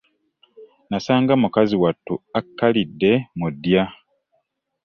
Nasanga mukazi wattu akkalidde mu ddya.